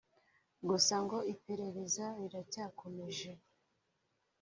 gusa ngo iperereza riracyakomeje